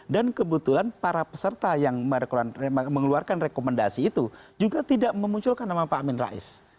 dan kebetulan para peserta yang mengeluarkan rekomendasi itu juga tidak memunculkan nama pak amin rais